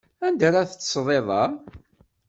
Anda ara teṭṭseḍ iḍ-a?